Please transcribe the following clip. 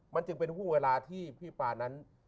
มันจึงเป็นที่พี่ปานั้น